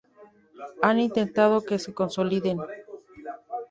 han intentado que se consoliden